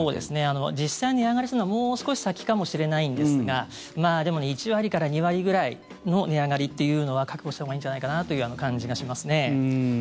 実際に値上がりするのはもう少し先かもしれないんですがでも、１割から２割ぐらいの値上がりというのは覚悟したほうがいいんじゃないかなという感じがしますね。